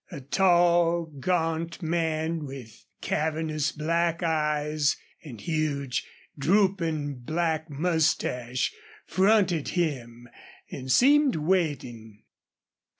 A tall, gaunt man with cavernous black eyes and huge, drooping black mustache fronted him and seemed waiting.